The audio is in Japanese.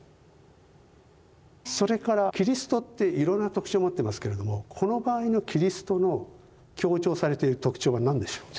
それからキリストっていろいろな特徴を持ってますけれどもこの場合のキリストの強調されている特徴は何でしょう？